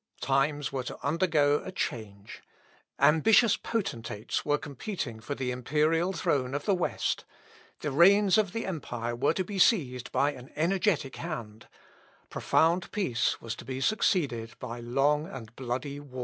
Times were to undergo a change; ambitious potentates were competing for the imperial throne of the West; the reins of the empire were to be seized by an energetic hand; profound peace was to be succeeded by long and bloody wars.